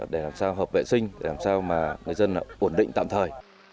để làm sao hợp vệ sinh để làm sao mà người dân ổn định tạm thời